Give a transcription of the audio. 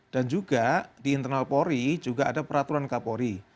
dan juga di internal polri juga ada peraturan kapolri